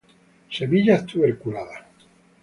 Semillas tuberculadas.